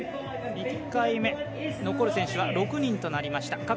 １回目残る選手は６人となりました。